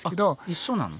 一緒なの？